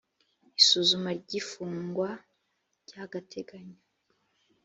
isuzuma ry ifungwa ry agateganyo